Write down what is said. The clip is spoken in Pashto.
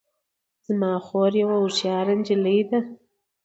زما خور یوه هوښیاره نجلۍ ده